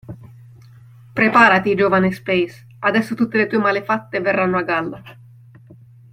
"Preparati giovane Space, adesso tutte le tue malefatte verranno a galla.